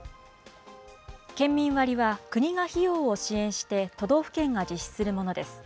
県民割は国が費用を支援して都道府県が実施するものです。